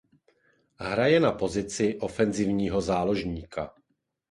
Hraje na pozici ofenzivního záložníka.